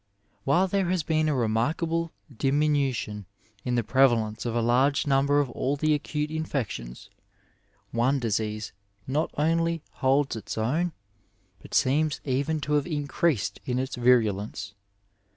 —W\ule there has been a remarkable diminution in the prevalence of a large number of all the acute infections, one disease not only holds its own, but seems even to have increased in its virulence.